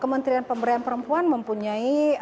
kementerian pemberdayaan perempuan mempunyai